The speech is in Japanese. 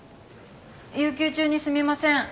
有休中にすみません。